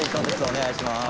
お願いします。